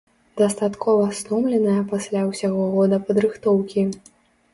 Дастаткова стомленая пасля ўсяго года падрыхтоўкі.